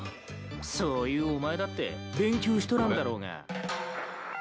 そういうお前だって勉強しとらんだろうが。